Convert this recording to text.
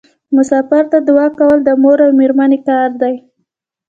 مسافر ته دعا کول د مور او میرمنې کار دی.